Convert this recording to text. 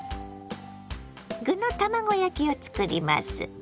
具の卵焼きを作ります。